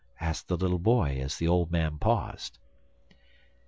asked the little boy, as the old man paused.